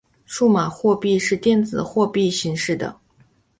数码货币是电子货币形式的。